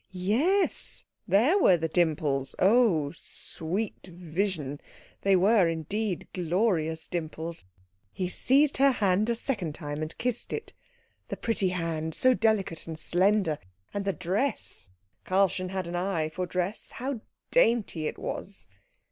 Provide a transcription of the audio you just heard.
Yes, there were the dimples oh, sweet vision! they were, indeed, glorious dimples. He seized her hand a second time and kissed it. The pretty hand so delicate and slender. And the dress Karlchen had an eye for dress how dainty it was!